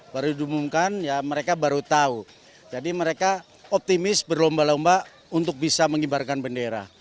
baru diumumkan ya mereka baru tahu jadi mereka optimis berlomba lomba untuk bisa mengibarkan bendera